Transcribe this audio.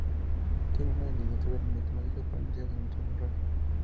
Tiene una licenciatura en Matemáticas por la Universidad de Monrovia.